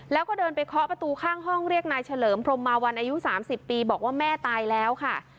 แล้วก็เดินไปเคาะประตูข้างห้องเรียกนายเฉลิมพรมมาวันอายุ๓๐ปีบอกว่าแม่ตายแล้วค่ะ